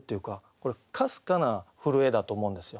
これかすかな震えだと思うんですよ。